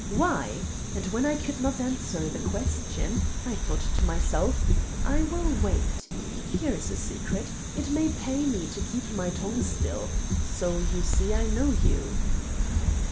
Why? And when I could not answer the question I thought to myself: I will wait. Here is a secret. It may pay me to keep my tongue still. So you see I know you."